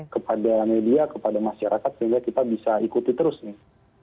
kepada media kepada masyarakat sehingga kita bisa ikuti terus nih